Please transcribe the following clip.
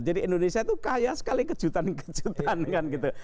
indonesia itu kaya sekali kejutan kejutan kan gitu